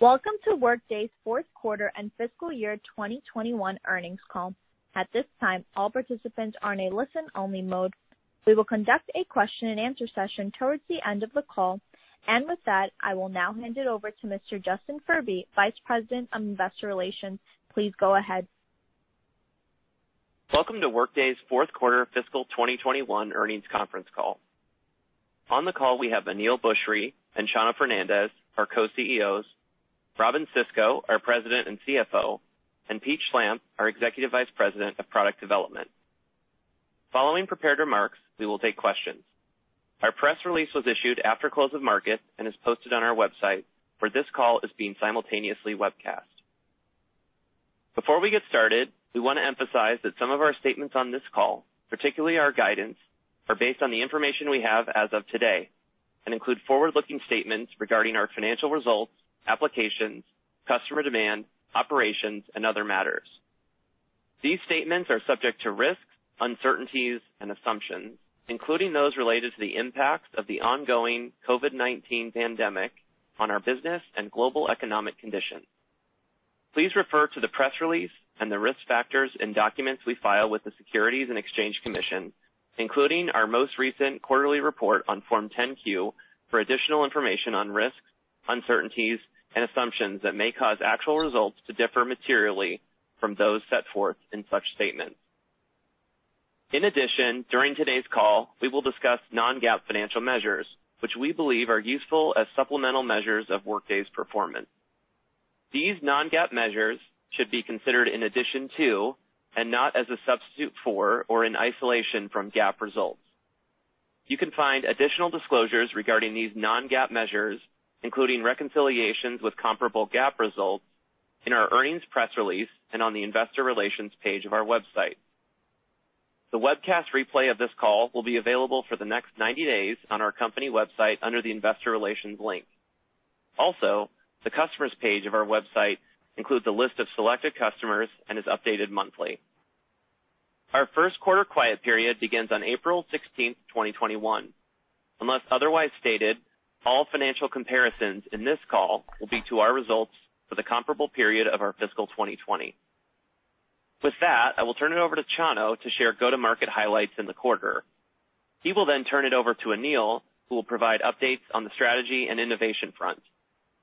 Welcome to Workday's fourth quarter and fiscal year 2021 earnings call. At this time, all participants are in a listen-only mode. We will conduct a question and answer session towards the end of the call. With that, I will now hand it over to Mr. Justin Furby, Vice President of Investor Relations. Please go ahead. Welcome to Workday's fourth quarter fiscal 2021 earnings conference call. On the call, we have Aneel Bhusri and Chano Fernandez, our Co-CEOs, Robynne Sisco, our President and CFO, and Pete Schlampp, our Executive Vice President of Product Development. Following prepared remarks, we will take questions. Our press release was issued after close of market and is posted on our website. This call is being simultaneously webcast. Before we get started, we want to emphasize that some of our statements on this call, particularly our guidance, are based on the information we have as of today and include forward-looking statements regarding our financial results, applications, customer demand, operations, and other matters. These statements are subject to risks, uncertainties, and assumptions, including those related to the impacts of the ongoing COVID-19 pandemic on our business and global economic conditions. Please refer to the press release and the risk factors in documents we file with the Securities and Exchange Commission, including our most recent quarterly report on Form 10-Q for additional information on risks, uncertainties, and assumptions that may cause actual results to differ materially from those set forth in such statements. During today's call, we will discuss non-GAAP financial measures, which we believe are useful as supplemental measures of Workday's performance. These non-GAAP measures should be considered in addition to, and not as a substitute for or in isolation from GAAP results. You can find additional disclosures regarding these non-GAAP measures, including reconciliations with comparable GAAP results, in our earnings press release and on the investor relations page of our website. The webcast replay of this call will be available for the next 90 days on our company website under the investor relations link. Also, the customers page of our website includes a list of selected customers and is updated monthly. Our first quarter quiet period begins on April 16th, 2021. Unless otherwise stated, all financial comparisons in this call will be to our results for the comparable period of our fiscal 2020. With that, I will turn it over to Chano to share go-to-market highlights in the quarter. He will turn it over to Aneel, who will provide updates on the strategy and innovation front.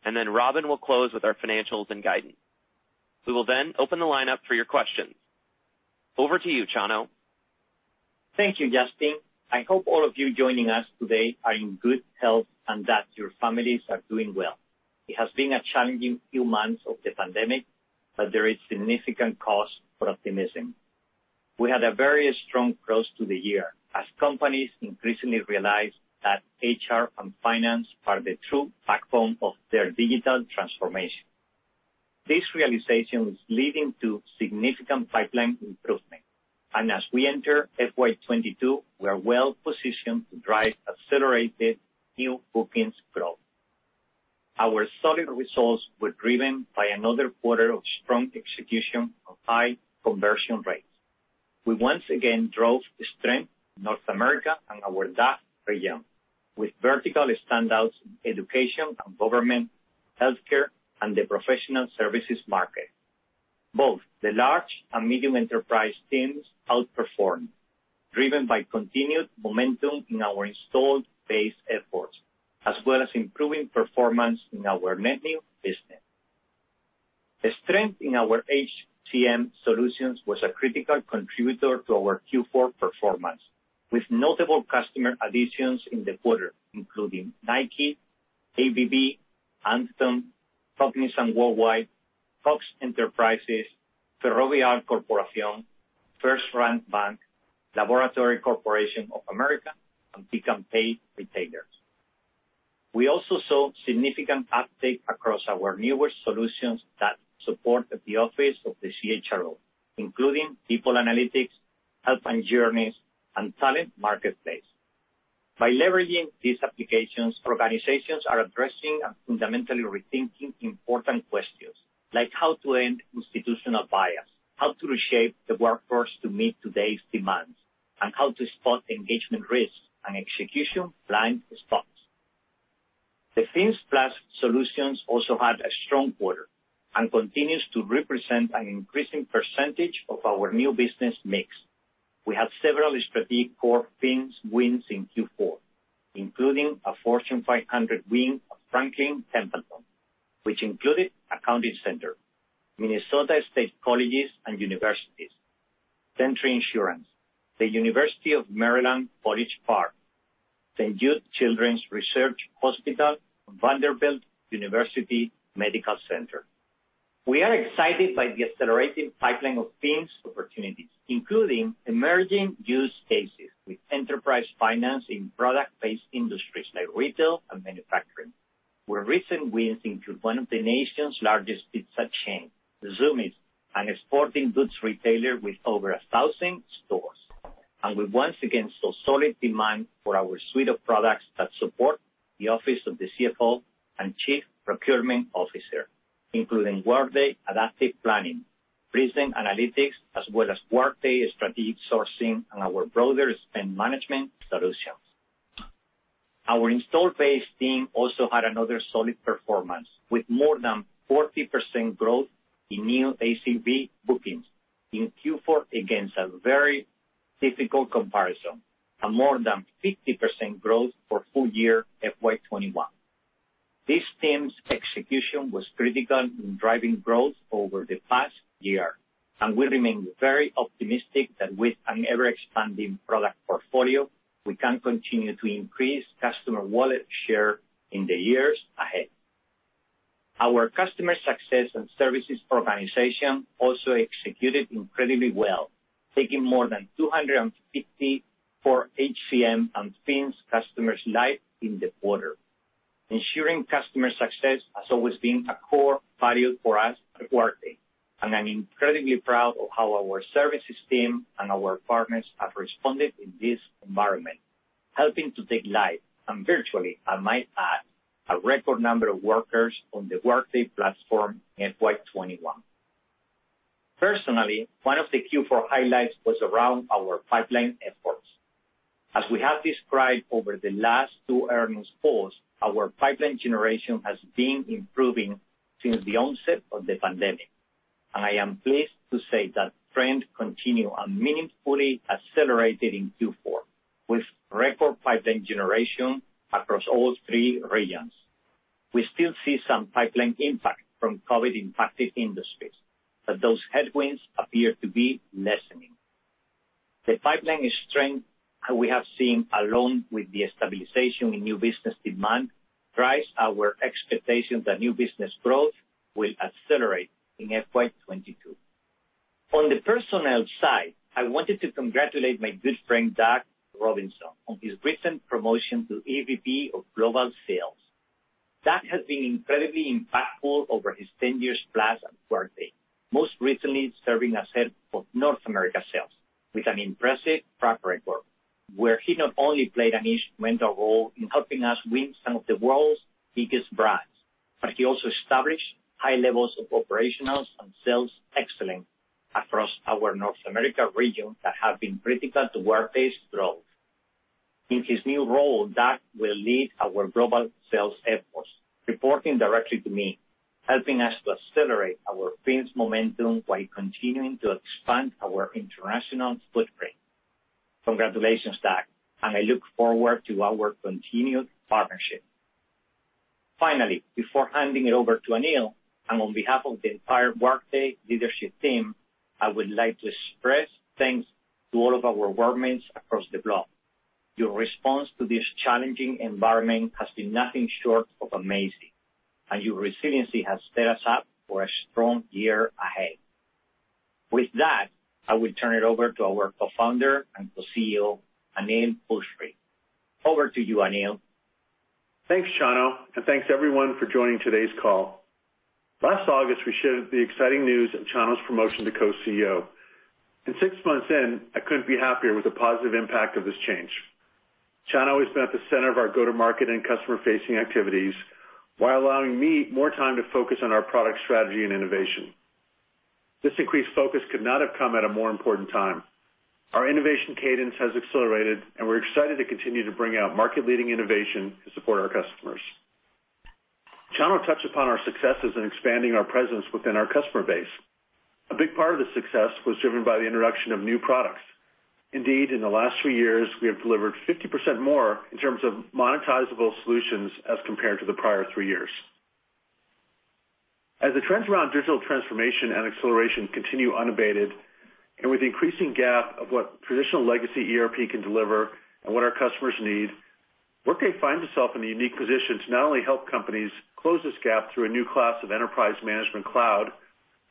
Robynne will close with our financials and guidance. We will open the line up for your questions. Over to you, Chano. Thank you, Justin. I hope all of you joining us today are in good health and that your families are doing well. It has been a challenging few months of the pandemic, but there is significant cause for optimism. We had a very strong close to the year as companies increasingly realize that HR and finance are the true backbone of their digital transformation. This realization is leading to significant pipeline improvement. As we enter FY 2022, we are well-positioned to drive accelerated new bookings growth. Our solid results were driven by another quarter of strong execution and high conversion rates. We once again drove strength in North America and our DACH region, with vertical standouts in education and government, healthcare, and the professional services market. Both the large and medium enterprise teams outperformed, driven by continued momentum in our installed base efforts, as well as improving performance in our net new business. The strength in our HCM solutions was a critical contributor to our Q4 performance, with notable customer additions in the quarter, including Nike, ABB, Anthem, Cognizant, Fox Corporation, Ferrovial Corporation, First Republic Bank, Laboratory Corporation of America, and Peakon. We also saw significant uptake across our newer solutions that support the office of the CHRO, including People Analytics, Workday Journeys, and Talent Marketplace. By leveraging these applications, organizations are addressing and fundamentally rethinking important questions like how to end institutional bias, how to reshape the workforce to meet today's demands, and how to spot engagement risks and execution blind spots. The FINS+ solutions also had a strong quarter and continues to represent an increasing percentage of our new business mix. We had several strategic core Fins wins in Q4, including a Fortune 500 win of Franklin Templeton, which included Accounting Center, Minnesota State Colleges and Universities, Sentry Insurance, the University of Maryland, College Park, St. Jude Children's Research Hospital, and Vanderbilt University Medical Center. We are excited by the accelerating pipeline of Fins opportunities, including emerging use cases with enterprise financing product-based industries like retail and manufacturing, where recent wins include one of the nation's largest pizza chains, Zumiez, and a sporting goods retailer with over 1,000 stores. We once again saw solid demand for our suite of products that support the office of the CFO and Chief Procurement Officer, including Workday Adaptive Planning, Prism Analytics, as well as Workday Strategic Sourcing and our broader spend management solutions. Our installed base team also had another solid performance with more than 40% growth in new ACV bookings in Q4 against a very difficult comparison, and more than 50% growth for full year FY 2021. This team's execution was critical in driving growth over the past year, and we remain very optimistic that with an ever-expanding product portfolio, we can continue to increase customer wallet share in the years ahead. Our customer success and services organization also executed incredibly well, taking more than 254 HCM and Fins customers live in the quarter. Ensuring customer success has always been a core value for us at Workday, and I'm incredibly proud of how our services team and our partners have responded in this environment, helping to take live, and virtually I might add, a record number of workers on the Workday platform in FY 2021. Personally, one of the Q4 highlights was around our pipeline efforts. As we have described over the last two earnings calls, our pipeline generation has been improving since the onset of the COVID pandemic. I am pleased to say that trend continue and meaningfully accelerated in Q4 with record pipeline generation across all three regions. We still see some pipeline impact from COVID impacted industries, but those headwinds appear to be lessening. The pipeline strength we have seen, along with the stabilization in new business demand, drives our expectation that new business growth will accelerate in FY 2022. On the personnel side, I wanted to congratulate my good friend, Doug Robinson, on his recent promotion to EVP of Global Sales. Doug has been incredibly impactful over his 10 years plus at Workday, most recently serving as head of North America sales with an impressive track record, where he not only played an instrumental role in helping us win some of the world's biggest brands, but he also established high levels of operational and sales excellence across our North America region that have been critical to Workday's growth. In his new role, Doug will lead our global sales efforts, reporting directly to me, helping us to accelerate our Fins momentum while continuing to expand our international footprint. Congratulations, Doug, I look forward to our continued partnership. Finally, before handing it over to Aneel, and on behalf of the entire Workday leadership team, I would like to express thanks to all of our Workmates across the globe. Your response to this challenging environment has been nothing short of amazing, and your resiliency has set us up for a strong year ahead. With that, I will turn it over to our co-founder and co-CEO, Aneel Bhusri. Over to you, Aneel. Thanks, Chano, and thanks everyone for joining today's call. Last August, we shared the exciting news of Chano's promotion to co-CEO. Six months in, I couldn't be happier with the positive impact of this change. Chano has been at the center of our go-to-market and customer-facing activities while allowing me more time to focus on our product strategy and innovation. This increased focus could not have come at a more important time. Our innovation cadence has accelerated, and we're excited to continue to bring out market-leading innovation to support our customers. Chano touched upon our successes in expanding our presence within our customer base. A big part of the success was driven by the introduction of new products. In the last three years, we have delivered 50% more in terms of monetizable solutions as compared to the prior three years. As the trends around digital transformation and acceleration continue unabated, and with the increasing gap of what traditional legacy ERP can deliver and what our customers need, Workday finds itself in a unique position to not only help companies close this gap through a new class of enterprise management cloud,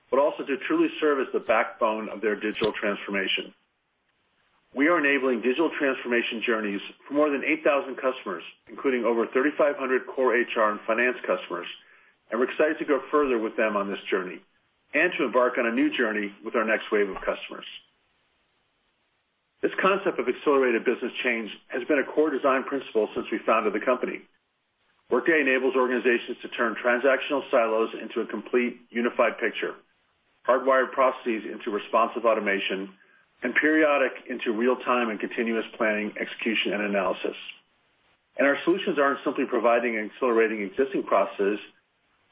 but also to truly serve as the backbone of their digital transformation. We are enabling digital transformation journeys for more than 8,000 customers, including over 3,500 core HR and finance customers, and we're excited to go further with them on this journey and to embark on a new journey with our next wave of customers. This concept of accelerated business change has been a core design principle since we founded the company. Workday enables organizations to turn transactional silos into a complete unified picture, hardwired processes into responsive automation, and periodic into real-time and continuous planning, execution, and analysis. Our solutions aren't simply providing and accelerating existing processes,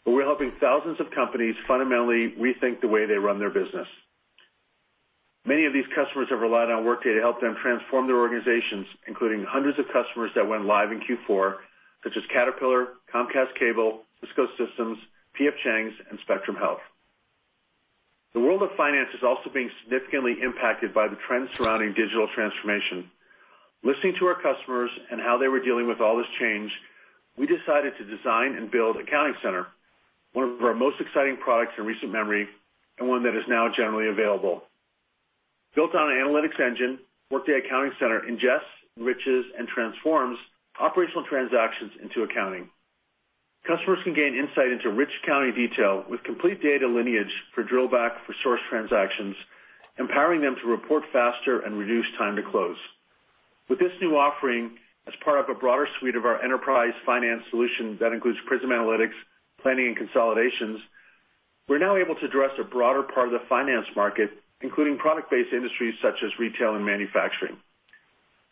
but we're helping thousands of companies fundamentally rethink the way they run their business. Many of these customers have relied on Workday to help them transform their organizations, including 100s of customers that went live in Q4, such as Caterpillar, Comcast Cable, Cisco Systems, P.F. Chang's, and Spectrum Health. The world of finance is also being significantly impacted by the trends surrounding digital transformation. Listening to our customers and how they were dealing with all this change, we decided to design and build Accounting Center, one of our most exciting products in recent memory and one that is now generally available. Built on an analytics engine, Workday Accounting Center ingests, enriches, and transforms operational transactions into accounting. Customers can gain insight into rich accounting detail with complete data lineage for drill back for source transactions, empowering them to report faster and reduce time to close. With this new offering, as part of a broader suite of our enterprise finance solution that includes Prism Analytics, planning, and consolidations. We're now able to address a broader part of the finance market, including product-based industries such as retail and manufacturing.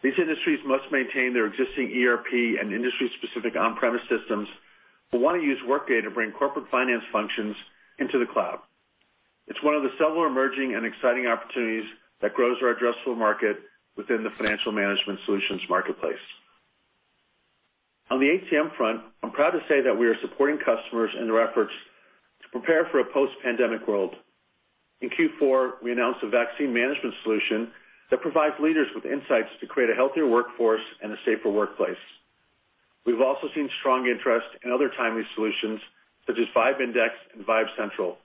These industries must maintain their existing ERP and industry-specific on-premise systems, but want to use Workday to bring corporate finance functions into the cloud. It's one of the several emerging and exciting opportunities that grows our addressable market within the financial management solutions marketplace. On the HCM front, I'm proud to say that we are supporting customers in their efforts to prepare for a post-pandemic world. In Q4, we announced a vaccine management solution that provides leaders with insights to create a healthier workforce and a safer workplace. We've also seen strong interest in other timely solutions, such as VIBE Index and VIBE Central,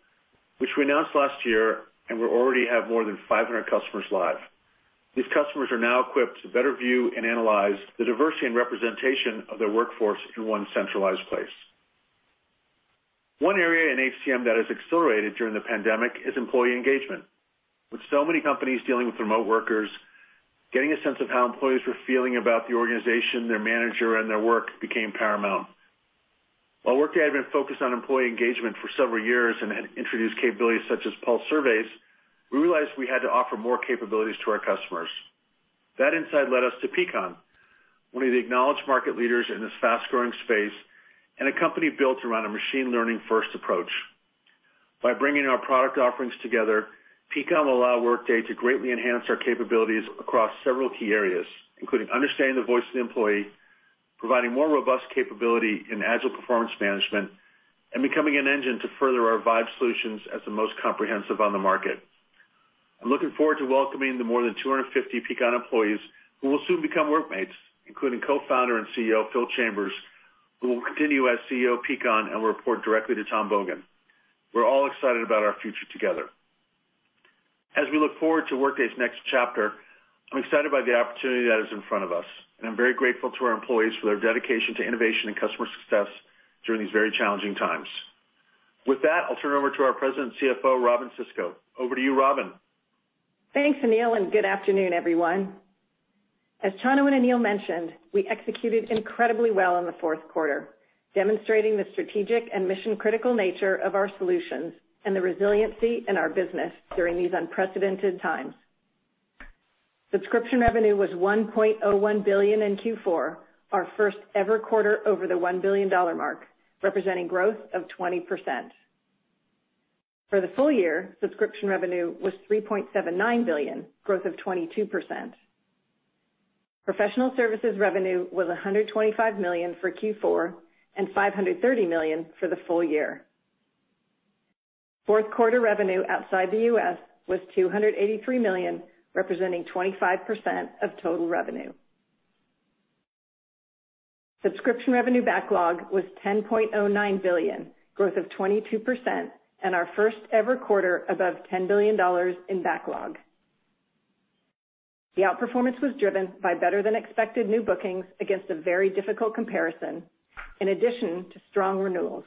which we announced last year. We already have more than 500 customers live. These customers are now equipped to better view and analyze the diversity and representation of their workforce in one centralized place. One area in HCM that has accelerated during the pandemic is employee engagement. With so many companies dealing with remote workers, getting a sense of how employees were feeling about the organization, their manager, and their work became paramount. While Workday had been focused on employee engagement for several years and had introduced capabilities such as pulse surveys, we realized we had to offer more capabilities to our customers. That insight led us to Peakon, one of the acknowledged market leaders in this fast-growing space, and a company built around a machine learning first approach. By bringing our product offerings together, Peakon will allow Workday to greatly enhance our capabilities across several key areas, including understanding the voice of the employee, providing more robust capability in agile performance management, and becoming an engine to further our VIBE solutions as the most comprehensive on the market. I'm looking forward to welcoming the more than 250 Peakon employees who will soon become Workmates, including co-founder and CEO, Phil Chambers, who will continue as CEO of Peakon and will report directly to Tom Bogan. We're all excited about our future together. As we look forward to Workday's next chapter, I'm excited by the opportunity that is in front of us, and I'm very grateful to our employees for their dedication to innovation and customer success during these very challenging times. With that, I'll turn it over to our President and CFO, Robynne Sisco. Over to you, Robynne. Thanks, Aneel, and good afternoon, everyone. As Chano and Aneel mentioned, we executed incredibly well in the fourth quarter, demonstrating the strategic and mission-critical nature of our solutions and the resiliency in our business during these unprecedented times. Subscription revenue was $1.01 billion in Q4, our first ever quarter over the $1 billion mark, representing growth of 20%. For the full year, subscription revenue was $3.79 billion, growth of 22%. Professional services revenue was $125 million for Q4, and $530 million for the full year. Fourth quarter revenue outside the U.S. was $283 million, representing 25% of total revenue. Subscription revenue backlog was $10.09 billion, growth of 22%, and our first ever quarter above $10 billion in backlog. The outperformance was driven by better than expected new bookings against a very difficult comparison, in addition to strong renewals,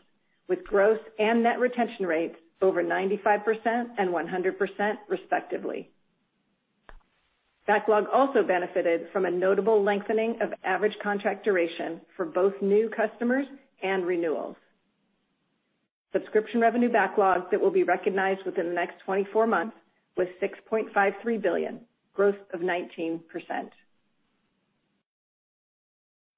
with gross and net retention rates over 95% and 100% respectively. Backlog also benefited from a notable lengthening of average contract duration for both new customers and renewals. Subscription revenue backlog that will be recognized within the next 24 months was $6.53 billion, growth of 19%.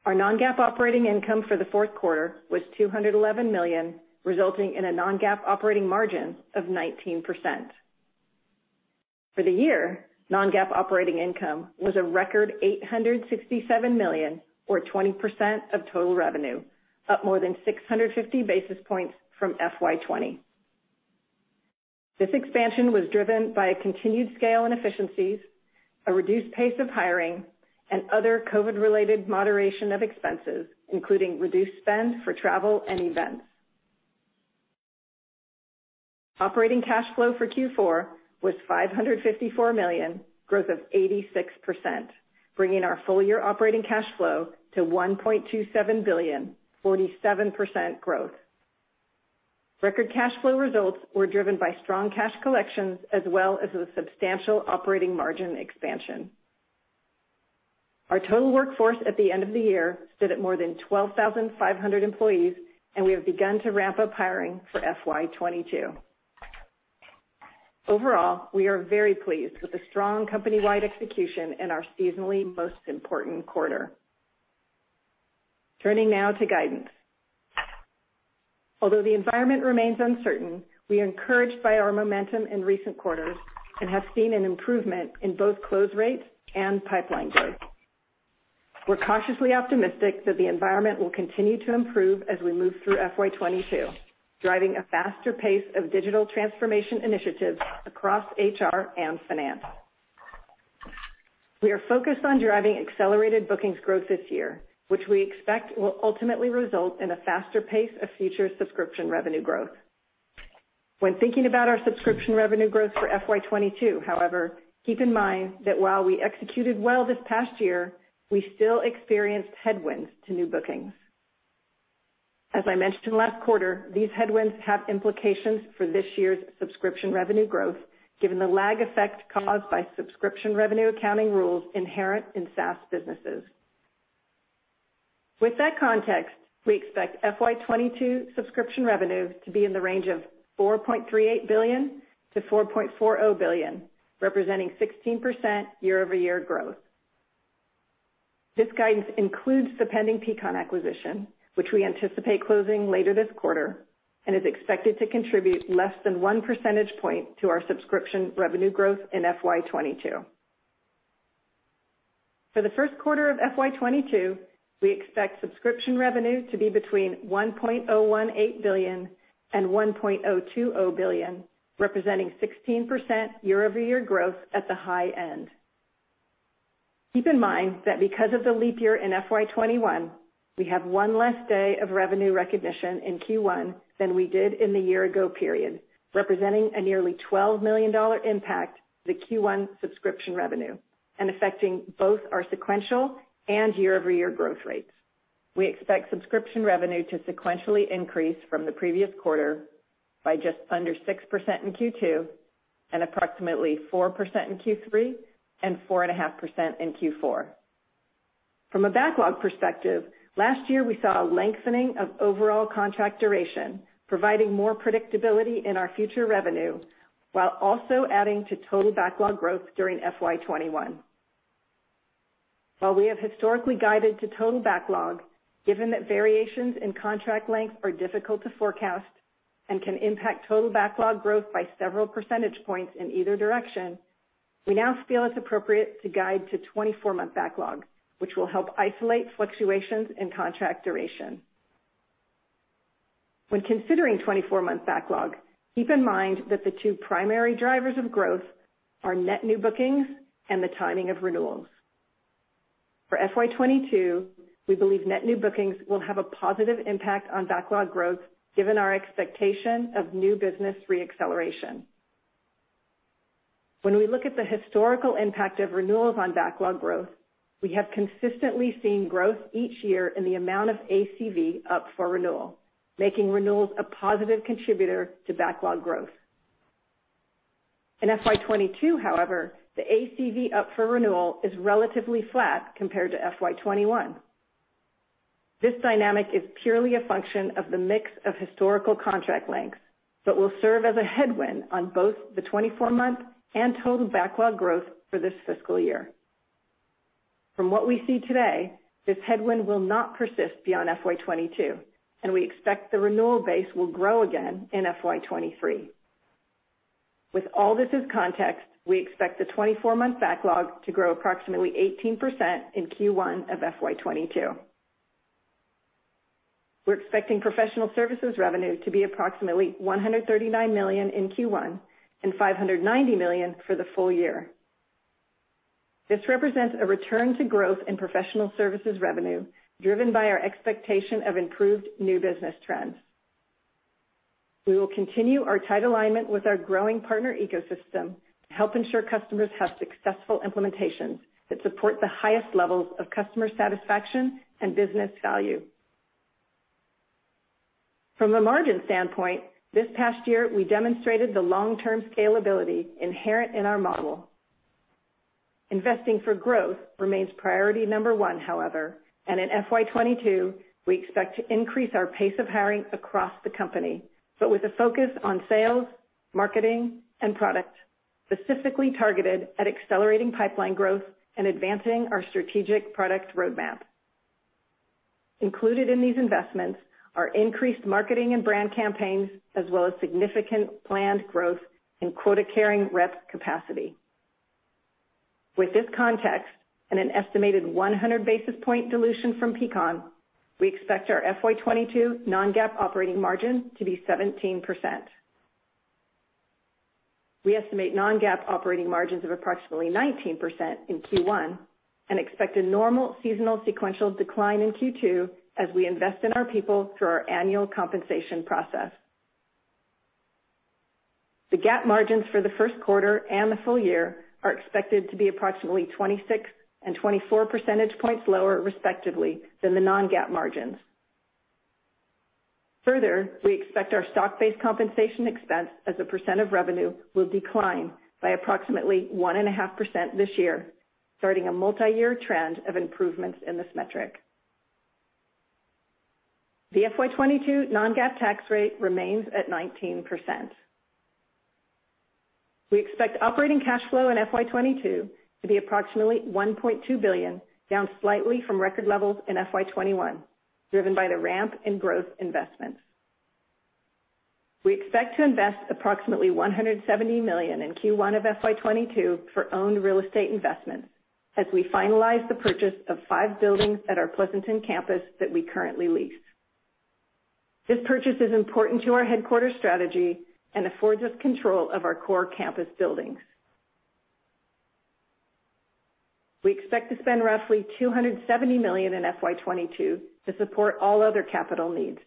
Our non-GAAP operating income for the fourth quarter was $211 million, resulting in a non-GAAP operating margin of 19%. For the year, non-GAAP operating income was a record $867 million or 20% of total revenue, up more than 650 basis points from FY 2020. This expansion was driven by a continued scale in efficiencies, a reduced pace of hiring, and other COVID-related moderation of expenses, including reduced spend for travel and events. Operating cash flow for Q4 was $554 million, growth of 86%, bringing our full-year operating cash flow to $1.27 billion, 47% growth. Record cash flow results were driven by strong cash collections as well as a substantial operating margin expansion. Our total workforce at the end of the year stood at more than 12,500 employees. We have begun to ramp up hiring for FY 2022. Overall, we are very pleased with the strong company-wide execution in our seasonally most important quarter. Turning now to guidance. Although the environment remains uncertain, we are encouraged by our momentum in recent quarters and have seen an improvement in both close rates and pipeline growth. We're cautiously optimistic that the environment will continue to improve as we move through FY 2022, driving a faster pace of digital transformation initiatives across HR and finance. We are focused on driving accelerated bookings growth this year, which we expect will ultimately result in a faster pace of future subscription revenue growth. When thinking about our subscription revenue growth for FY 2022, however, keep in mind that while we executed well this past year, we still experienced headwinds to new bookings. As I mentioned last quarter, these headwinds have implications for this year's subscription revenue growth given the lag effect caused by subscription revenue accounting rules inherent in SaaS businesses. With that context, we expect FY 2022 subscription revenue to be in the range of $4.38 billion-$4.40 billion, representing 16% year-over-year growth. This guidance includes the pending Peakon acquisition, which we anticipate closing later this quarter, and is expected to contribute less than one percentage point to our subscription revenue growth in FY 2022. For the first quarter of FY 2022, we expect subscription revenue to be between $1.018 billion and $1.020 billion, representing 16% year-over-year growth at the high end. Keep in mind that because of the leap year in FY 2021, we have one less day of revenue recognition in Q1 than we did in the year ago period, representing a nearly $12 million impact to the Q1 subscription revenue, and affecting both our sequential and year-over-year growth rates. We expect subscription revenue to sequentially increase from the previous quarter by just under 6% in Q2 and approximately 4% in Q3 and 4.5% in Q4. From a backlog perspective, last year we saw a lengthening of overall contract duration, providing more predictability in our future revenue while also adding to total backlog growth during FY 2021. While we have historically guided to total backlog, given that variations in contract length are difficult to forecast and can impact total backlog growth by several percentage points in either direction, we now feel it's appropriate to guide to 24-month backlog, which will help isolate fluctuations in contract duration. When considering 24-month backlog, keep in mind that the two primary drivers of growth are net new bookings and the timing of renewals. For FY 2022, we believe net new bookings will have a positive impact on backlog growth given our expectation of new business re-acceleration. When we look at the historical impact of renewals on backlog growth, we have consistently seen growth each year in the amount of ACV up for renewal, making renewals a positive contributor to backlog growth. In FY 2022, however, the ACV up for renewal is relatively flat compared to FY 2021. This dynamic is purely a function of the mix of historical contract lengths, but will serve as a headwind on both the 24-month and total backlog growth for this fiscal year. From what we see today, this headwind will not persist beyond FY 2022, and we expect the renewal base will grow again in FY 2023. With all this as context, we expect the 24-month backlog to grow approximately 18% in Q1 of FY 2022. We're expecting professional services revenue to be approximately $139 million in Q1 and $590 million for the full year. This represents a return to growth in professional services revenue, driven by our expectation of improved new business trends. We will continue our tight alignment with our growing partner ecosystem to help ensure customers have successful implementations that support the highest levels of customer satisfaction and business value. From a margin standpoint, this past year we demonstrated the long-term scalability inherent in our model. Investing for growth remains priority number one, however, In FY 2022, we expect to increase our pace of hiring across the company, but with a focus on sales, marketing, and product, specifically targeted at accelerating pipeline growth and advancing our strategic product roadmap. Included in these investments are increased marketing and brand campaigns, as well as significant planned growth in quota-carrying rep capacity. With this context and an estimated 100 basis point dilution from Peakon, we expect our FY 2022 non-GAAP operating margin to be 17%. We estimate non-GAAP operating margins of approximately 19% in Q1 and expect a normal seasonal sequential decline in Q2 as we invest in our people through our annual compensation process. The GAAP margins for the first quarter and the full year are expected to be approximately 26 and 24 percentage points lower, respectively, than the non-GAAP margins. We expect our stock-based compensation expense as a percent of revenue will decline by approximately 1.5% this year, starting a multiyear trend of improvements in this metric. The FY 2022 non-GAAP tax rate remains at 19%. We expect operating cash flow in FY 2022 to be approximately $1.2 billion, down slightly from record levels in FY 2021, driven by the ramp in growth investments. We expect to invest approximately $170 million in Q1 of FY 2022 for owned real estate investments as we finalize the purchase of five buildings at our Pleasanton campus that we currently lease. This purchase is important to our headquarters strategy and affords us control of our core campus buildings. We expect to spend roughly $270 million in FY 2022 to support all other capital needs.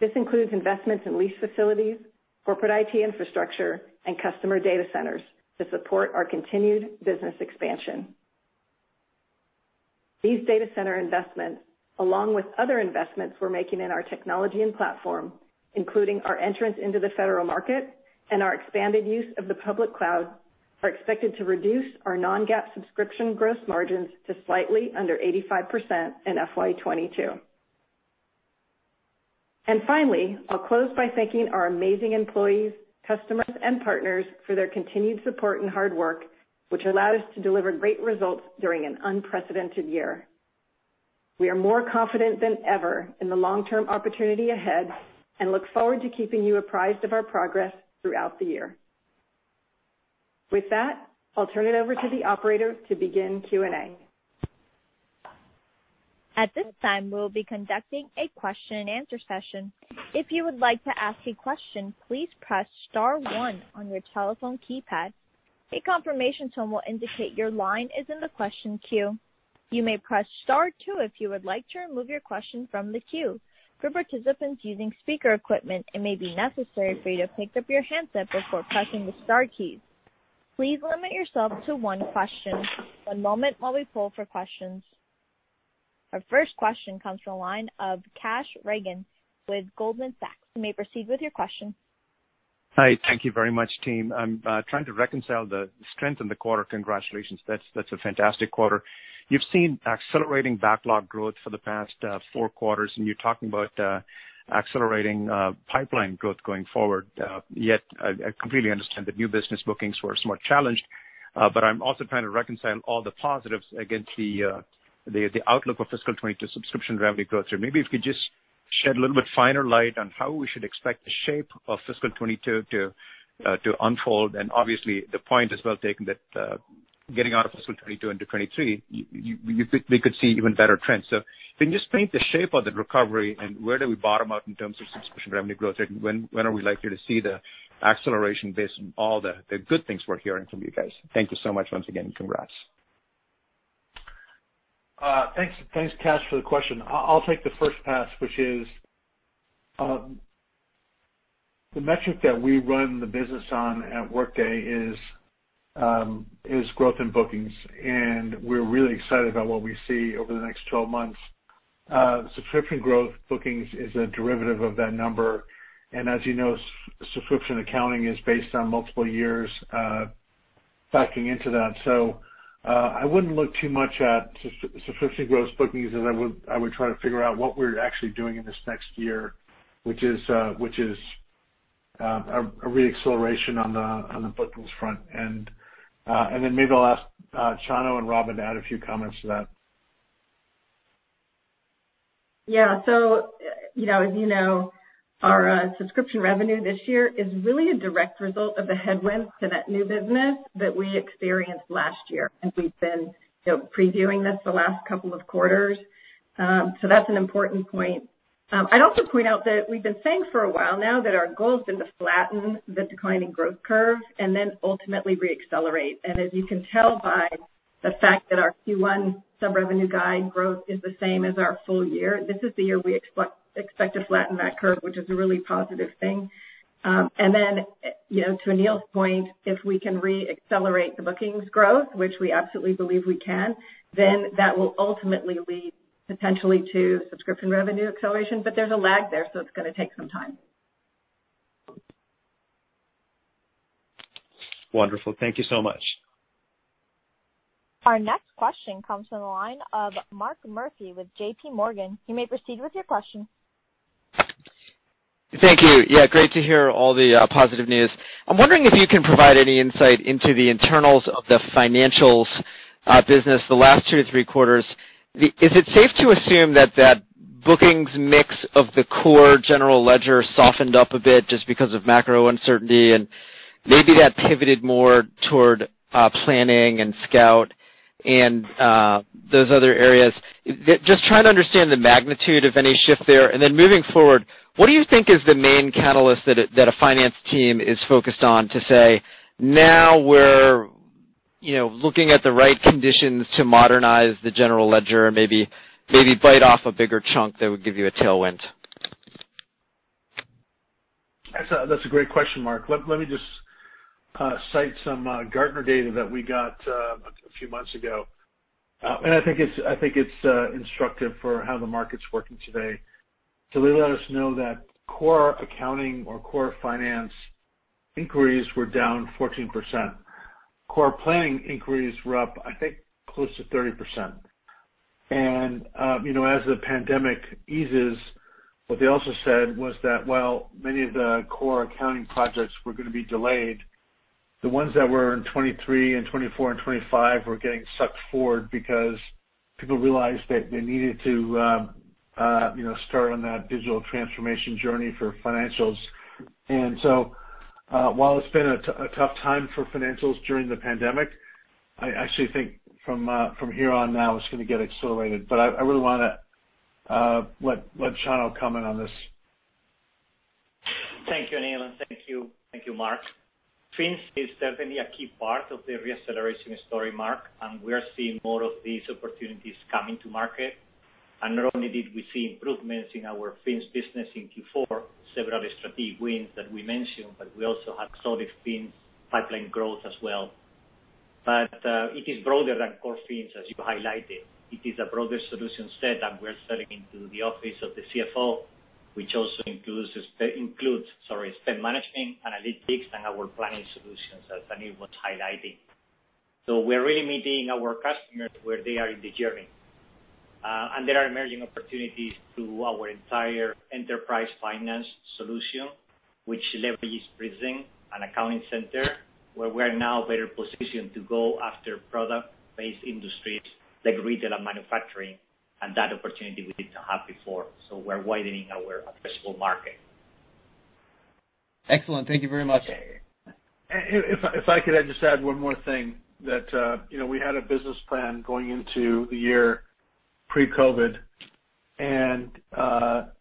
This includes investments in lease facilities, corporate IT infrastructure, and customer data centers to support our continued business expansion. These data center investments, along with other investments we're making in our technology and platform, including our entrance into the federal market and our expanded use of the public cloud are expected to reduce our non-GAAP subscription gross margins to slightly under 85% in FY 2022. Finally, I'll close by thanking our amazing employees, customers and partners for their continued support and hard work, which allowed us to deliver great results during an unprecedented year. We are more confident than ever in the long-term opportunity ahead and look forward to keeping you apprised of our progress throughout the year. With that, I'll turn it over to the operator to begin Q&A. At this time, we'll be conducting a question and answer session. If you would like to ask a question, please press star one on your telephone keypad. A confirmation tone will indicate your line is in the question queue. You may press star two if you would like to remove your question from the queue. For participants using speaker equipment, it may be necessary for you to pick up your handset before pressing the star keys. Please limit yourself to one question. One moment while we poll for questions. Our first question comes from the line of Kash Rangan with Goldman Sachs. You may proceed with your question. Hi. Thank you very much, team. I'm trying to reconcile the strength in the quarter. Congratulations. That's a fantastic quarter. You've seen accelerating backlog growth for the past four quarters, and you're talking about accelerating pipeline growth going forward. I completely understand that new business bookings were somewhat challenged, but I'm also trying to reconcile all the positives against the outlook of FY 2022 subscription revenue growth. Maybe if you could just shed a little bit finer light on how we should expect the shape of FY 2022 to unfold. Obviously, the point is well taken that, getting out of FY 2022 into 2023, we could see even better trends. Can you just paint the shape of the recovery and where do we bottom out in terms of subscription revenue growth rate? When are we likely to see the acceleration based on all the good things we're hearing from you guys? Thank you so much once again, and congrats. Thanks, Kash, for the question. I'll take the first pass, which is, the metric that we run the business on at Workday is growth in bookings, and we're really excited about what we see over the next 12 months. Subscription revenue growth is a derivative of that number, and as you know, subscription accounting is based on multiple years, factoring into that. I wouldn't look too much at subscription revenue growth as I would try to figure out what we're actually doing in this next year, which is a re-acceleration on the bookings front. Then maybe I'll ask Chano and Robynne to add a few comments to that. Yeah. As you know, our subscription revenue this year is really a direct result of the headwinds to that new business that we experienced last year, as we've been previewing this the last couple of quarters. That's an important point. I'd also point out that we've been saying for a while now that our goal has been to flatten the declining growth curve and then ultimately re-accelerate. As you can tell by the fact that our Q1 sub-revenue guide growth is the same as our full year, this is the year we expect to flatten that curve, which is a really positive thing. To Aneel's point, if we can re-accelerate the bookings growth, which we absolutely believe we can, then that will ultimately lead potentially to subscription revenue acceleration. There's a lag there, so it's going to take some time. Wonderful. Thank you so much. Our next question comes from the line of Mark Murphy with JPMorgan. You may proceed with your question. Thank you. Yeah, great to hear all the positive news. I am wondering if you can provide any insight into the internals of the financials business the last two to three quarters. Is it safe to assume that bookings mix of the core general ledger softened up a bit just because of macro uncertainty, maybe that pivoted more toward planning and Scout and those other areas? Just trying to understand the magnitude of any shift there. Then moving forward, what do you think is the main catalyst that a finance team is focused on to say, "Now we're looking at the right conditions to modernize the general ledger," maybe bite off a bigger chunk that would give you a tailwind? That's a great question, Mark. Let me just cite some Gartner data that we got a few months ago. I think it's instructive for how the market's working today. They let us know that core accounting or core finance inquiries were down 14%. Core planning inquiries were up, I think, close to 30%. As the pandemic eases, what they also said was that while many of the core accounting projects were going to be delayed, the ones that were in 2023 and 2024 and 2025 were getting sucked forward because people realized that they needed to start on that digital transformation journey for financials. While it's been a tough time for financials during the pandemic, I actually think from here on now, it's going to get accelerated. I really want to let Chano comment on this. Thank you, Aneel, and thank you, Mark. Fins is certainly a key part of the re-acceleration story, Mark, and we are seeing more of these opportunities coming to market. Not only did we see improvements in our Fins business in Q4, several strategic wins that we mentioned, but we also have solid Fins pipeline growth as well. It is broader than core Fins, as you highlighted. It is a broader solution set that we're selling into the office of the CFO, which also includes, sorry, spend management, analytics, and our planning solutions, as Aneel was highlighting. We're really meeting our customers where they are in the journey. There are emerging opportunities through our entire enterprise finance solution, which leverages Workday Prism Analytics and Workday Accounting Center, where we're now better positioned to go after product-based industries like retail and manufacturing, and that opportunity we didn't have before. We're widening our addressable market. Excellent. Thank you very much. If I could just add one more thing, that we had a business plan going into the year pre-COVID, and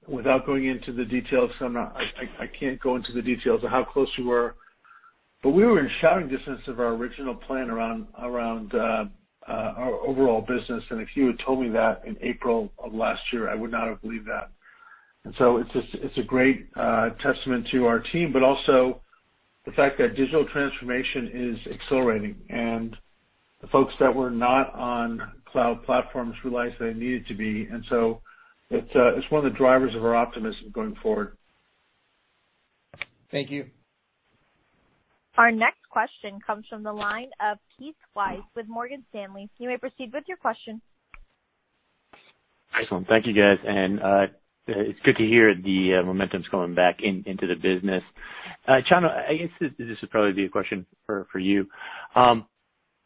without going into the details, I can't go into the details of how close we were, but we were in shouting distance of our original plan around our overall business. If you had told me that in April of last year, I would not have believed that. It's a great testament to our team, but also the fact that digital transformation is accelerating, and the folks that were not on cloud platforms realized they needed to be. It's one of the drivers of our optimism going forward. Thank you. Our next question comes from the line of Keith Weiss with Morgan Stanley. You may proceed with your question. Excellent. Thank you, guys. It's good to hear the momentum's coming back into the business. Chano, I guess this will probably be a question for you.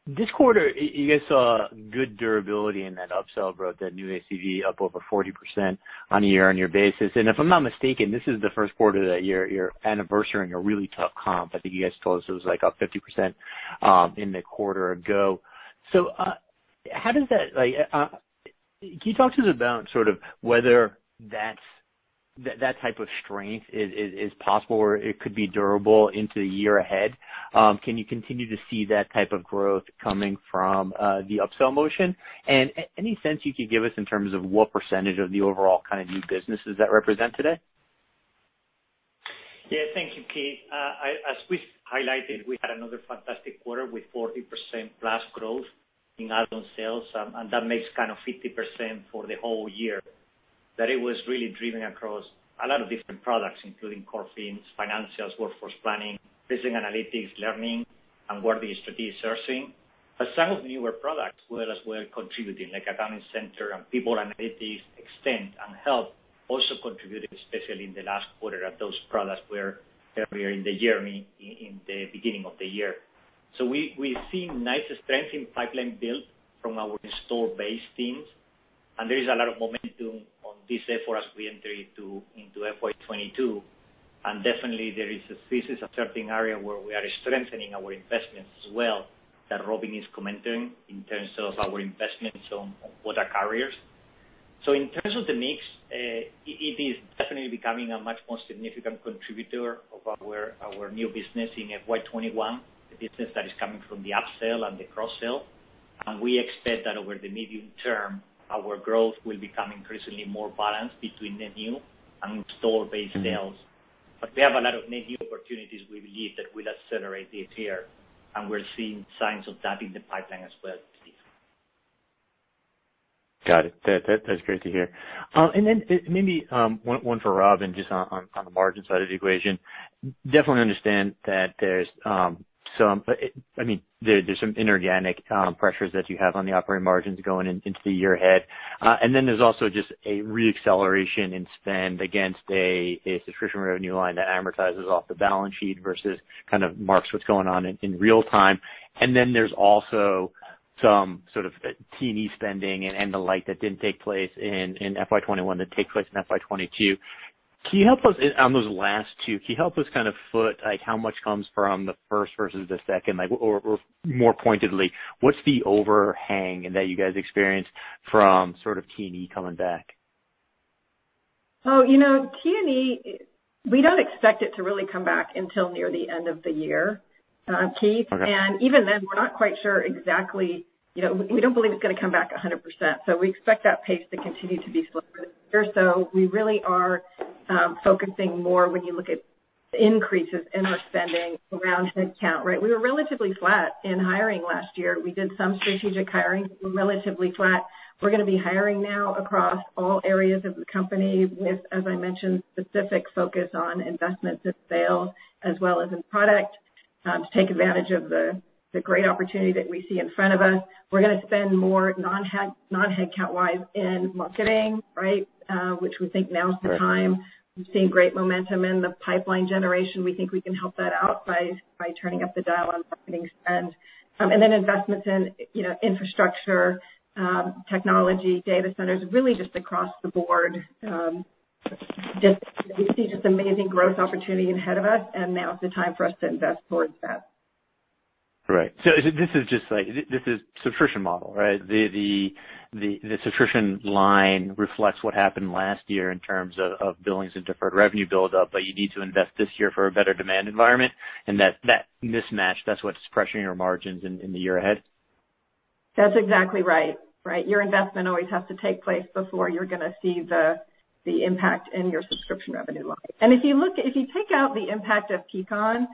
This quarter, you guys saw good durability in that upsell growth, that new ACV up over 40% on a year-on-year basis. If I'm not mistaken, this is the first quarter that you're anniversarying a really tough comp. I think you guys told us it was up 50% in the quarter ago. Can you talk to us about sort of whether that type of strength is possible, or it could be durable into the year ahead? Can you continue to see that type of growth coming from the upsell motion? Any sense you could give us in terms of what percentage of the overall kind of new business does that represent today? Yeah, thank you, Keith. As we've highlighted, we had another fantastic quarter with 40%+ growth in add-on sales, and that makes 50% for the whole year. That it was really driven across a lot of different products, including core Fins, financials, workforce planning, business analytics, learning, and Workday Strategic Sourcing. Some of the newer products, as well, were contributing, like Accounting Center and People Analytics, Extend, and Help also contributed, especially in the last quarter, that those products were earlier in the journey in the beginning of the year. We've seen nice strength in pipeline build from our installed base teams, and there is a lot of momentum on this effort as we enter into FY 2022. Definitely there is a thesis-accepting area where we are strengthening our investments as well, that Robynne is commenting, in terms of our investments on quota carriers. In terms of the mix, it is definitely becoming a much more significant contributor of our new business in FY 2021, the business that is coming from the upsell and the cross-sell. We expect that over the medium term, our growth will become increasingly more balanced between the new and installed base sales. We have a lot of new opportunities we believe that will accelerate this year, and we're seeing signs of that in the pipeline as well, Keith. Got it. That's great to hear. Maybe one for Robynne, just on the margin side of the equation. Definitely understand that there's some inorganic pressures that you have on the operating margins going into the year ahead. There's also just a re-acceleration in spend against a subscription revenue line that amortizes off the balance sheet versus kind of marks what's going on in real time. There's also some sort of T&E spending and the like that didn't take place in FY 2021 that takes place in FY 2022. On those last two, can you help us kind of foot how much comes from the first versus the second, or more pointedly, what's the overhang in that you guys experienced from sort of T&E coming back? Oh, T&E, we don't expect it to really come back until near the end of the year, Keith. Okay. Even then, we're not quite sure exactly. We don't believe it's going to come back 100%. We expect that pace to continue to be slow for the year. We really are focusing more when you look at increases in the spending around headcount, right? We were relatively flat in hiring last year. We did some strategic hiring, relatively flat. We're going to be hiring now across all areas of the company with, as I mentioned, specific focus on investments in sales as well as in product, to take advantage of the great opportunity that we see in front of us. We're going to spend more non-headcount wise in marketing, right? Which we think now is the time. We've seen great momentum in the pipeline generation. We think we can help that out by turning up the dial on marketing spend. Investments in infrastructure, technology, data centers, really just across the board. We see just amazing growth opportunity ahead of us, and now is the time for us to invest towards that. Right. This is subscription model, right? The subscription line reflects what happened last year in terms of billings and deferred revenue buildup, you need to invest this year for a better demand environment, that mismatch, that's what's pressuring your margins in the year ahead? That's exactly right. Your investment always has to take place before you're going to see the impact in your subscription revenue line. If you take out the impact of Peakon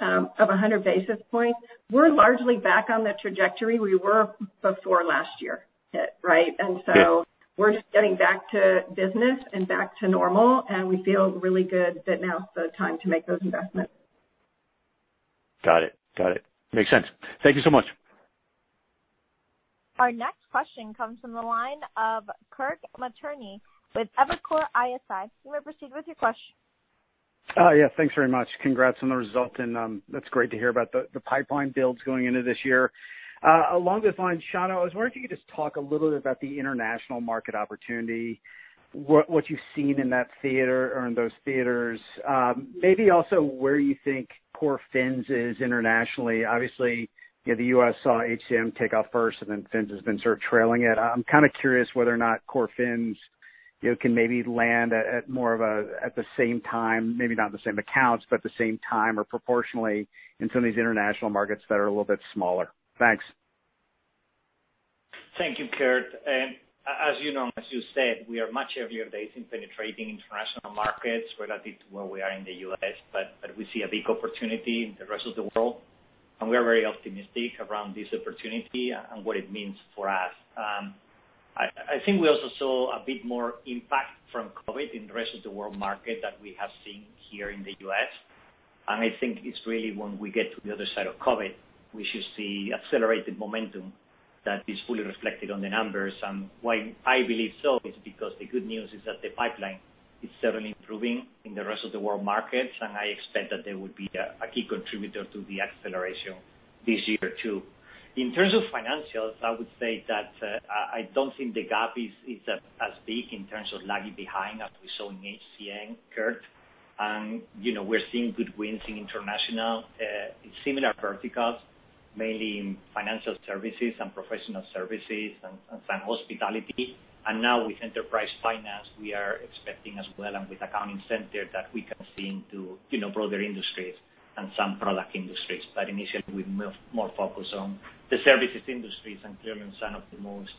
of 100 basis points, we're largely back on the trajectory we were before last year hit, right? Yeah. We're just getting back to business and back to normal, and we feel really good that now is the time to make those investments. Got it. Makes sense. Thank you so much. Our next question comes from the line of Kirk Materne with Evercore ISI. You may proceed with your question. Yeah. Thanks very much. Congrats on the result and that's great to hear about the pipeline builds going into this year. Along those lines, Chano, I was wondering if you could just talk a little bit about the international market opportunity, what you've seen in those theaters. Maybe also where you think Core Fins is internationally. Obviously, the U.S. saw HCM take off first and then Fins has been sort of trailing it. I'm kind of curious whether or not Core Fins can maybe land at the same time, maybe not the same accounts, but the same time or proportionally in some of these international markets that are a little bit smaller. Thanks. Thank you, Kirk. As you know, as you said, we are much earlier days in penetrating international markets relative to where we are in the U.S. We see a big opportunity in the rest of the world, and we are very optimistic around this opportunity and what it means for us. I think we also saw a bit more impact from COVID in the rest of the world market than we have seen here in the U.S. I think it's really when we get to the other side of COVID, we should see accelerated momentum that is fully reflected on the numbers. Why I believe so is because the good news is that the pipeline is certainly improving in the rest of the world markets, and I expect that they would be a key contributor to the acceleration this year, too. In terms of financials, I would say that, I don't think the gap is as big in terms of lagging behind as we saw in HCM, Kirk. We're seeing good wins in international, in similar verticals, mainly in financial services and professional services and some hospitality. Now with enterprise finance, we are expecting as well, and with Workday Accounting Center, that we can see into broader industries and some product industries. Initially, we're more focused on the services industries and clearly in some of the most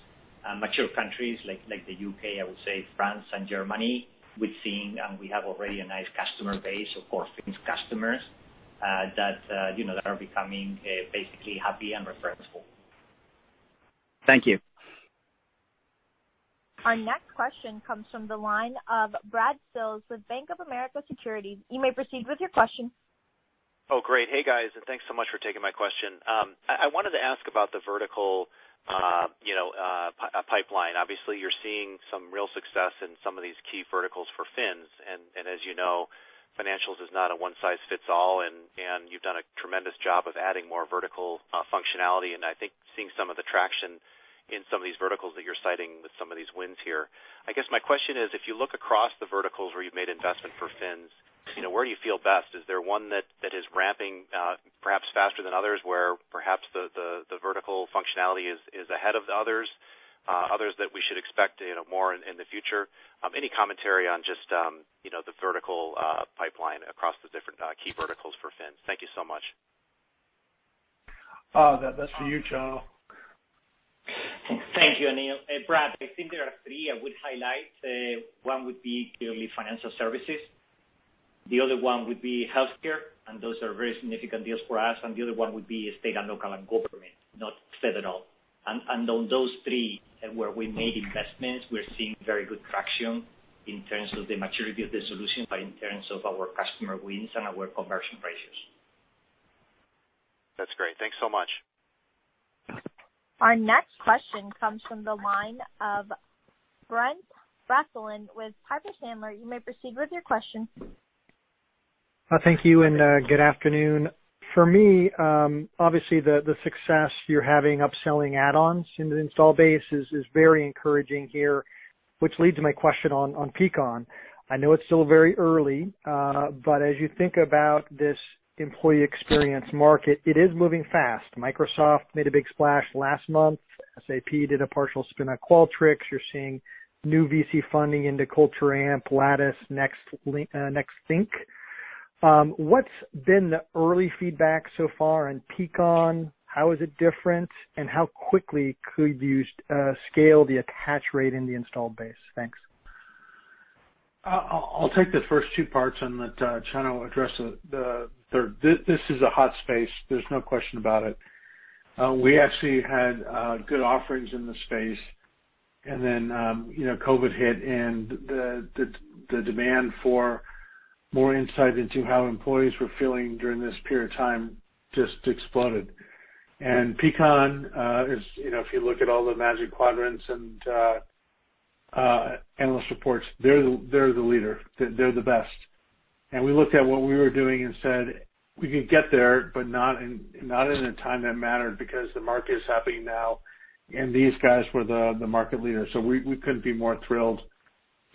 mature countries like the U.K., I would say France and Germany. We're seeing, and we have already a nice customer base of core Fins customers, that are becoming basically happy and referable. Thank you. Our next question comes from the line of Brad Sills with Bank of America Securities. You may proceed with your question. Oh, great. Hey, guys, thanks so much for taking my question. I wanted to ask about the vertical pipeline. Obviously, you're seeing some real success in some of these key verticals for Fins. As you know, Financials is not a one-size-fits-all, and you've done a tremendous job of adding more vertical functionality, and I think seeing some of the traction in some of these verticals that you're citing with some of these wins here. I guess my question is, if you look across the verticals where you've made investment for Fins, where do you feel best? Is there one that is ramping perhaps faster than others, where perhaps the vertical functionality is ahead of the others? Others that we should expect more in the future? Any commentary on just the vertical pipeline across the different key verticals for Fins? Thank you so much. That's for you, Chano. Thank you, Aneel. Brad, I think there are three I would highlight. One would be clearly financial services. The other one would be healthcare, those are very significant deals for us. The other one would be state and local and government, not federal. On those three where we made investments, we're seeing very good traction in terms of the maturity of the solution, but in terms of our customer wins and our conversion ratios. That's great. Thanks so much. Our next question comes from the line of Brent Bracelin with Piper Sandler. You may proceed with your question. Thank you, good afternoon. For me, obviously the success you're having upselling add-ons in the installed base is very encouraging here, which leads to my question on Peakon. I know it's still very early, as you think about this employee experience market, it is moving fast. Microsoft made a big splash last month. SAP did a partial spin on Qualtrics. You're seeing new VC funding into Culture Amp, Lattice, Nexthink. What's been the early feedback so far on Peakon? How is it different, and how quickly could you scale the attach rate in the installed base? Thanks. I'll take the first two parts, and then Chano will address the third. This is a hot space. There's no question about it. We actually had good offerings in the space, and then COVID hit and the demand for more insight into how employees were feeling during this period of time just exploded. Peakon, if you look at all the Magic Quadrants and analyst reports, they're the leader. They're the best. We looked at what we were doing and said we could get there, but not in a time that mattered because the market is happening now, and these guys were the market leader. We couldn't be more thrilled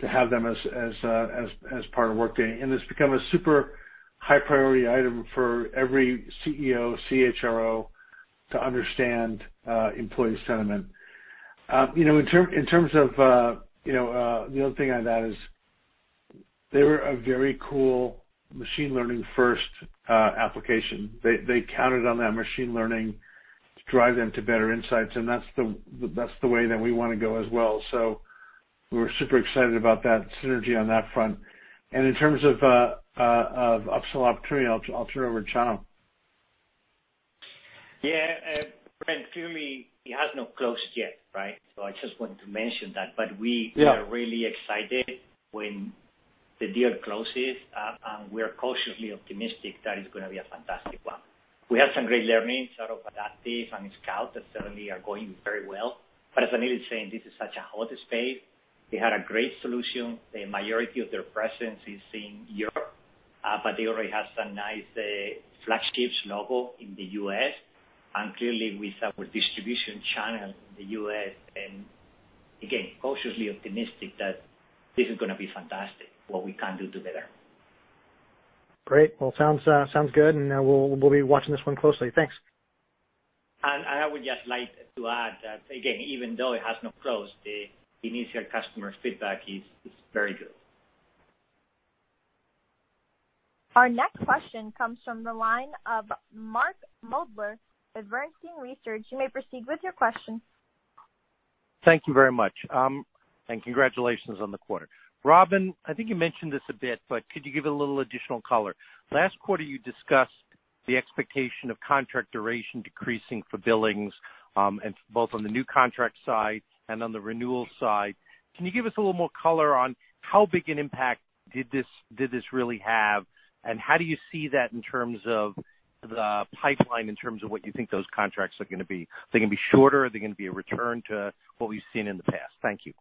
to have them as part of Workday. It's become a super high priority item for every CEO, CHRO to understand employee sentiment. In terms of the other thing I'd add is. They were a very cool machine learning first application. They counted on that machine learning to drive them to better insights, that's the way that we want to go as well. We're super excited about that synergy on that front. In terms of upsell opportunity, I'll turn it over to Chano. Yeah. Brent, clearly it has not closed yet, right? I just wanted to mention that. Yeah We are really excited when the deal closes, we are cautiously optimistic that it's going to be a fantastic one. We have some great learnings out of Adaptive and Scout that certainly are going very well. As Aneel is saying, this is such a hot space. They had a great solution. The majority of their presence is in Europe, but they already have some nice flagships logo in the U.S., and clearly with our distribution channel in the U.S., and again, cautiously optimistic that this is going to be fantastic, what we can do together. Great. Well, sounds good, and we'll be watching this one closely. Thanks. I would just like to add that, again, even though it has not closed, the initial customer feedback is very good. Our next question comes from the line of Mark Moerdler of Bernstein Research. You may proceed with your question. Thank you very much. Congratulations on the quarter. Robynne, I think you mentioned this a bit, but could you give it a little additional color? Last quarter, you discussed the expectation of contract duration decreasing for billings, both on the new contract side and on the renewal side. Can you give us a little more color on how big an impact did this really have, and how do you see that in terms of the pipeline, in terms of what you think those contracts are going to be? Are they going to be shorter? Are they going to be a return to what we've seen in the past? Thank you.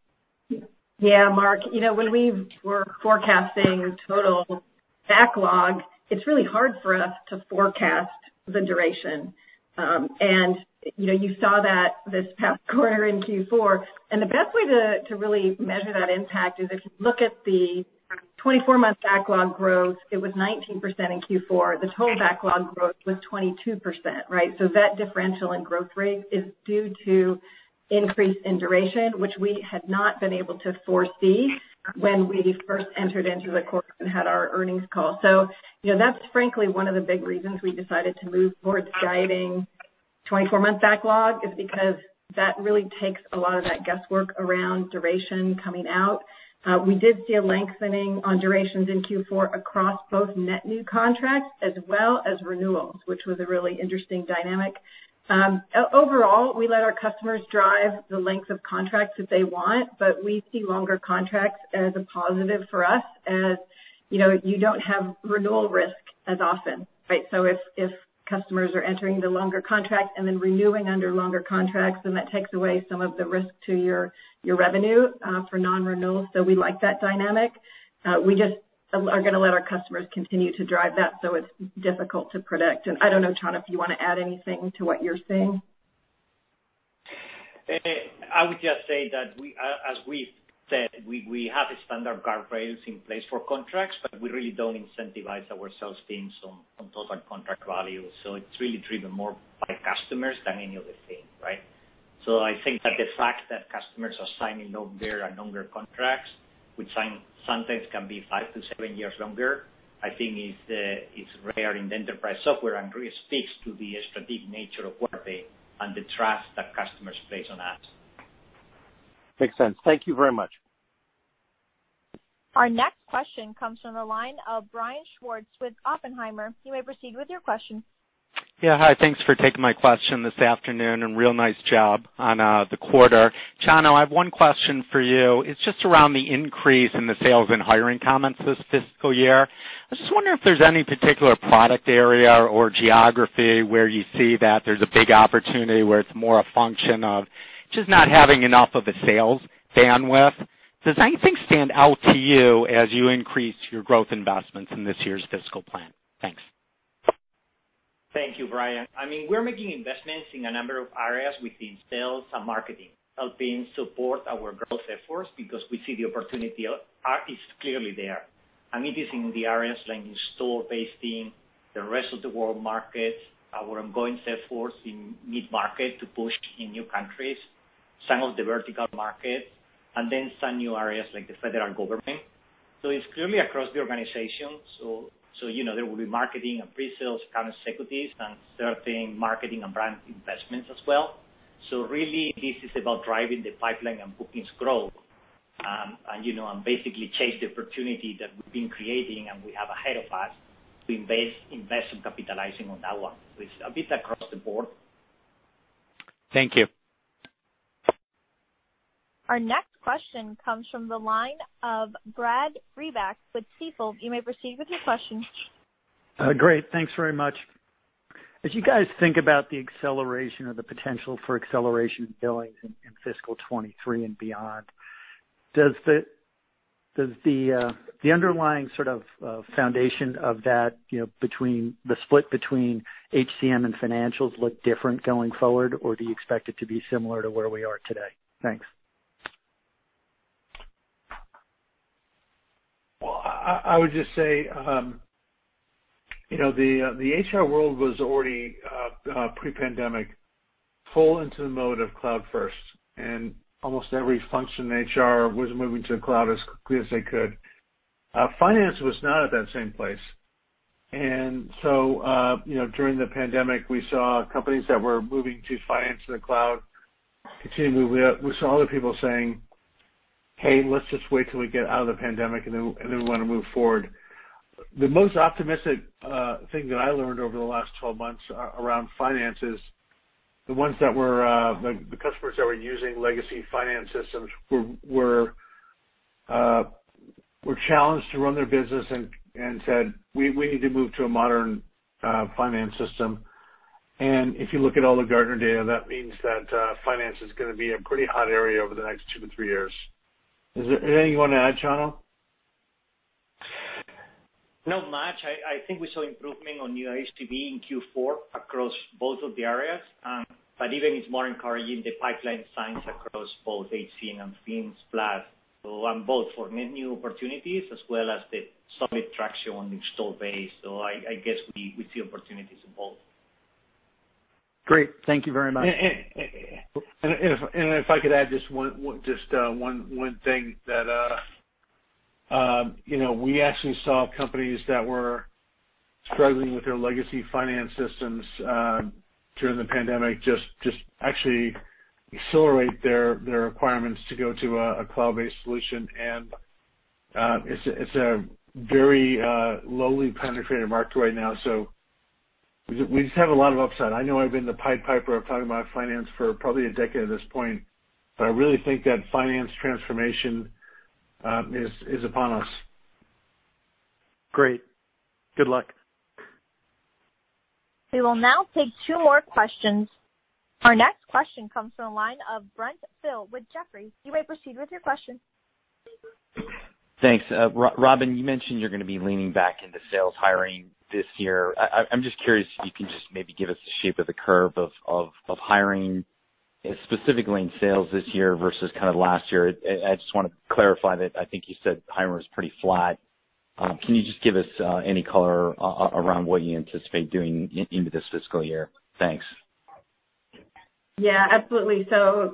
Yeah, Mark. When we were forecasting total backlog, it's really hard for us to forecast the duration. You saw that this past quarter in Q4. The best way to really measure that impact is if you look at the 24-month backlog growth, it was 19% in Q4. The total backlog growth was 22%, right? That differential in growth rate is due to increase in duration, which we had not been able to foresee when we first entered into the quarter and had our earnings call. That's frankly one of the big reasons we decided to move towards guiding 24-month backlog is because that really takes a lot of that guesswork around duration coming out. We did see a lengthening on durations in Q4 across both net new contracts as well as renewals, which was a really interesting dynamic. Overall, we let our customers drive the length of contracts that they want, but we see longer contracts as a positive for us. As you know, you don't have renewal risk as often, right? If customers are entering the longer contract and renewing under longer contracts, that takes away some of the risk to your revenue for non-renewal. We like that dynamic. We just are going to let our customers continue to drive that, so it's difficult to predict. I don't know, Chano, if you want to add anything to what you're seeing. I would just say that as we've said, we have standard guardrails in place for contracts, we really don't incentivize our sales teams on total contract value. It's really driven more by customers than any other thing, right? I think that the fact that customers are signing longer and longer contracts, which sometimes can be five to seven years longer, I think is rare in the enterprise software and really speaks to the strategic nature of Workday and the trust that customers place on us. Makes sense. Thank you very much. Our next question comes from the line of Brian Schwartz with Oppenheimer. You may proceed with your question. Yeah. Hi, thanks for taking my question this afternoon, and real nice job on the quarter. Chano, I have one question for you. It's just around the increase in the sales and hiring comments this fiscal year. I was just wondering if there's any particular product area or geography where you see that there's a big opportunity where it's more a function of just not having enough of a sales bandwidth. Does anything stand out to you as you increase your growth investments in this year's fiscal plan? Thanks. Thank you, Brian. We're making investments in a number of areas within sales and marketing, helping support our growth efforts because we see the opportunity is clearly there, and it is in the areas like installed base team, the rest of the world markets, our ongoing sales force in mid-market to push in new countries, some of the vertical markets, and then some new areas like the federal government. It's clearly across the organization. There will be marketing and pre-sales kind of activities and certain marketing and brand investments as well. Really, this is about driving the pipeline and bookings growth, and basically chase the opportunity that we've been creating and we have ahead of us to invest in capitalizing on that one. It's a bit across the board. Thank you. Our next question comes from the line of Brad Reback with Stifel. You may proceed with your question. Great. Thanks very much. As you guys think about the acceleration or the potential for acceleration in billings in fiscal 2023 and beyond, does the underlying sort of foundation of that, the split between HCM and financials look different going forward, or do you expect it to be similar to where we are today? Thanks. Well, I would just say. The HR world was already, pre-pandemic, full into the mode of cloud first. Almost every function in HR was moving to the cloud as quickly as they could. Finance was not at that same place. During the pandemic, we saw companies that were moving to finance in the cloud continue moving up. We saw other people saying, "Hey, let's just wait till we get out of the pandemic, and then we want to move forward." The most optimistic thing that I learned over the last 12 months around finance is the customers that were using legacy finance systems were challenged to run their business and said, "We need to move to a modern finance system." If you look at all the Gartner data, that means that finance is going to be a pretty hot area over the next two to three years. Is there anything you want to add, Chano? Not much. I think we saw improvement on new ACV in Q4 across both of the areas. Even it's more encouraging, the pipeline signs across both HCM and FINS on both for new opportunities as well as the solid traction on the installed base. I guess we see opportunities in both. Great. Thank you very much. If I could add just one thing. We actually saw companies that were struggling with their legacy finance systems during the pandemic just actually accelerate their requirements to go to a cloud-based solution. It's a very lowly penetrated market right now. We just have a lot of upside. I know I've been the Pied Piper of talking about finance for probably a decade at this point. I really think that finance transformation is upon us. Great. Good luck. We will now take two more questions. Our next question comes from the line of Brent Thill with Jefferies. You may proceed with your question. Thanks. Robynne, you mentioned you're going to be leaning back into sales hiring this year. I'm just curious if you can just maybe give us the shape of the curve of hiring, specifically in sales this year versus last year. I just want to clarify that I think you said hiring was pretty flat. Can you just give us any color around what you anticipate doing into this fiscal year? Thanks. Yeah, absolutely.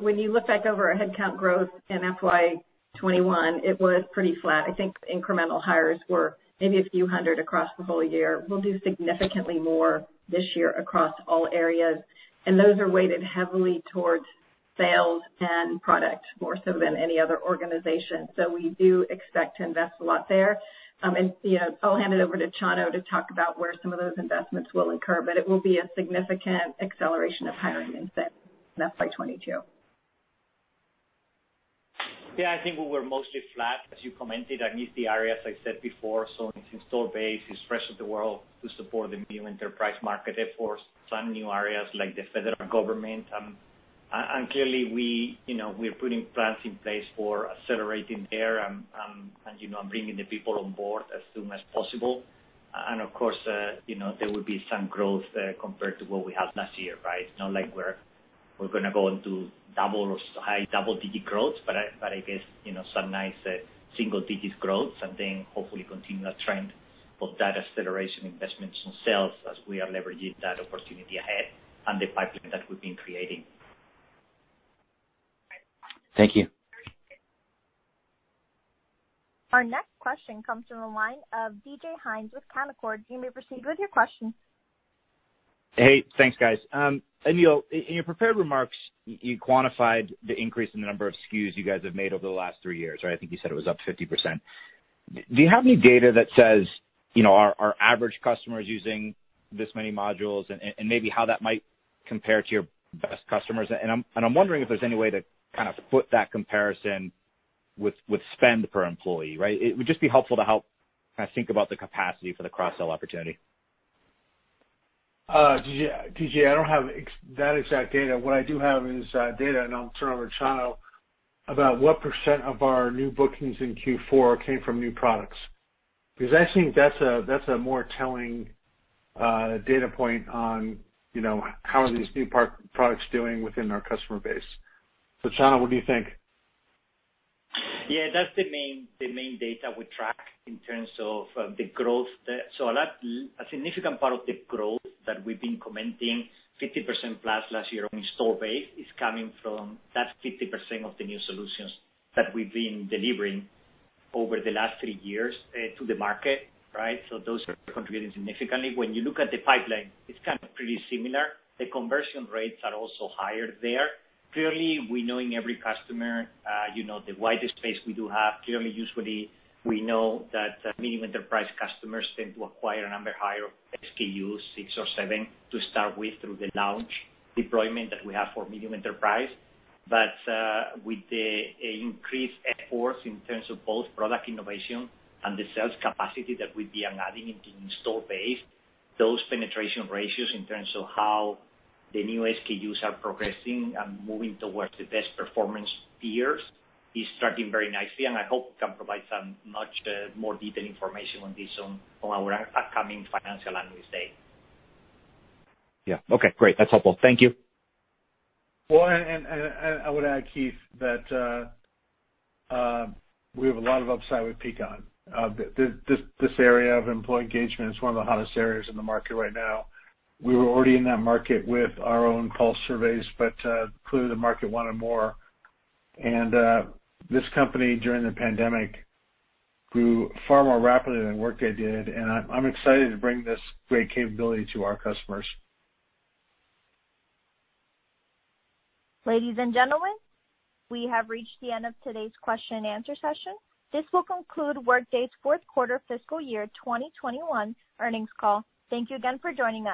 When you look back over our headcount growth in FY 2021, it was pretty flat. I think incremental hires were maybe a few 100 across the whole year. We'll do significantly more this year across all areas, and those are weighted heavily towards sales and product more so than any other organization. We do expect to invest a lot there. I'll hand it over to Chano to talk about where some of those investments will incur, but it will be a significant acceleration of hiring in FY 2022. Yeah, I think we were mostly flat, as you commented, and with the areas I said before. It's installed base, it's rest of the world to support the new enterprise market efforts, some new areas like the federal government. Clearly we're putting plans in place for accelerating there, and bringing the people on board as soon as possible. Of course, there will be some growth, compared to what we had last year, right? Not like we're going to go into double or high double-digit growth, but I guess, some nice single digits growth, and then hopefully continue that trend of that acceleration investments on sales as we are leveraging that opportunity ahead and the pipeline that we've been creating. Thank you. Our next question comes from the line of DJ Hynes with Canaccord. You may proceed with your question. Hey, thanks, guys. Aneel, in your prepared remarks, you quantified the increase in the number of SKUs you guys have made over the last three years, right? I think you said it was up 50%. Do you have any data that says our average customer is using this many modules, and maybe how that might compare to your best customers? I'm wondering if there's any way to kind of put that comparison with spend per employee, right? It would just be helpful to help think about the capacity for the cross-sell opportunity. DJ, I don't have that exact data. What I do have is data, and I'll turn it over to Chano, about what % of our new bookings in Q4 came from new products. I think that's a more telling data point on how are these new products doing within our customer base. Chano, what do you think? Yeah, that's the main data we track in terms of the growth. A significant part of the growth that we've been commenting, 50%+ last year on install base, is coming from that 50% of the new solutions that we've been delivering over the last three years, to the market. Right? Those are contributing significantly. When you look at the pipeline, it's kind of pretty similar. The conversion rates are also higher there. Clearly, we know in every customer, the white space we do have, clearly, usually we know that medium enterprise customers tend to acquire a number higher of SKUs, six or seven to start with, through the Launch deployment that we have for medium enterprise. With the increased efforts in terms of both product innovation and the sales capacity that we've been adding into installed base, those penetration ratios in terms of how the new SKUs are progressing and moving towards the best performance peers is tracking very nicely, and I hope we can provide some much more detailed information on this on our upcoming financial analyst day. Yeah. Okay, great. That's helpful. Thank you. I would add, DJ, that we have a lot of upside with Peakon. This area of employee engagement is one of the hottest areas in the market right now. We were already in that market with our own pulse surveys, but clearly the market wanted more. This company, during the pandemic, grew far more rapidly than Workday did, and I'm excited to bring this great capability to our customers. Ladies and gentlemen, we have reached the end of today's question and answer session. This will conclude Workday's fourth quarter fiscal year 2021 earnings call. Thank you again for joining us.